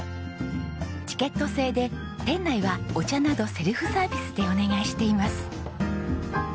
チケット制で店内はお茶などセルフサービスでお願いしています。